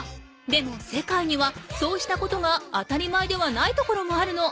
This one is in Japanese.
でも世界にはそうしたことが当たり前ではない所もあるの。